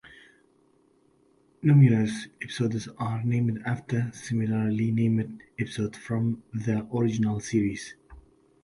Numerous episodes are named after similarly named episodes from the original series.